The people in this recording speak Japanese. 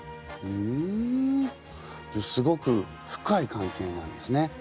ふんすごく深い関係なんですね。